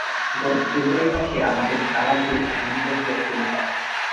গত ফেব্রুয়ারি মাসে আমাদের তালাকের আইনি প্রক্রিয়া শুরু হয়।